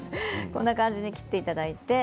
こんな感じで切っていただいて。